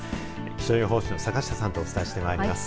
気象予報士の坂下さんとお伝えしてまいります。